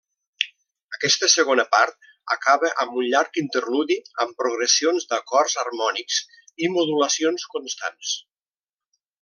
Aquesta segona part acaba amb un llarg interludi amb progressions d'acords harmònics i modulacions constants.